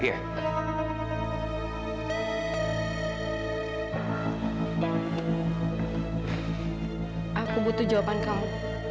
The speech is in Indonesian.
aku butuh jawaban kamu